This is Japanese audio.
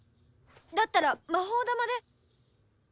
だったら魔法玉で。